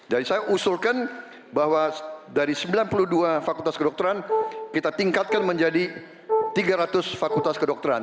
jadi saya usulkan bahwa dari sembilan puluh dua fakultas kedokteran kita tingkatkan menjadi tiga ratus fakultas kedokteran